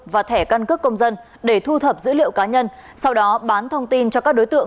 và thẻ căn cước công dân để thu thập dữ liệu cá nhân sau đó bán thông tin cho các đối tượng